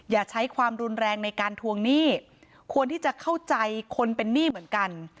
อย่าใช้ความรุนแรงในการทวงหนี้ควรที่จะเข้าใจคนเป็นหนี้เหมือนกัน